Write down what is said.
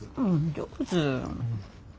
上手。